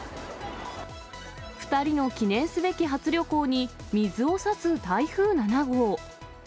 ２人の記念すべき初旅行に、水をさす台風７号。